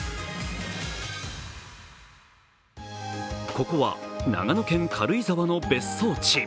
ここは長野県軽井沢の別荘地。